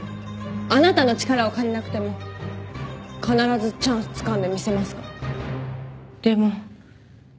あなたの力を借りなくても必ずチャンスつかんでみせますからでも。